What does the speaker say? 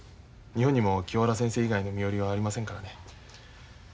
日本にも清原先生以外の身寄りはありませんからね。